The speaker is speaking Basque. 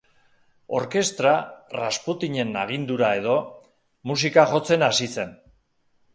Orkestra, Rasputinen agindura edo, musika jotzen hasi zen.